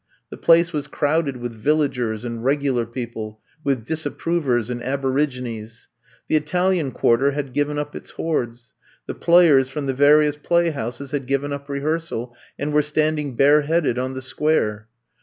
The place was crowded with Villagers, and regular people, with Disapprovers and Aborigines. The Ital ian quarter had given up its hordes; the players from the various play houses had given up rehearsal and were standing bare headed on the Square.